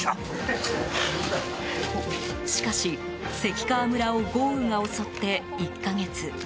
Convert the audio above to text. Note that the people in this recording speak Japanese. しかし関川村を豪雨が襲って１か月。